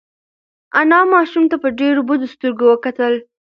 انا ماشوم ته په ډېرو بدو سترګو وکتل.